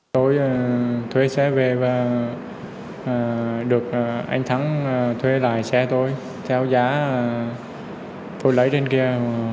tôi thuê xe về và được anh thắng thuê lại xe tôi theo giá tôi lấy trên kia